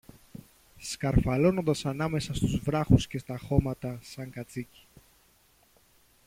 σκαρφαλώνοντας ανάμεσα στους βράχους και στα χώματα σαν κατσίκι.